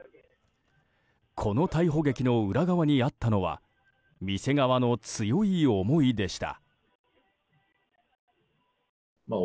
この逮捕劇の裏側にあったのは店側の強い思いでした。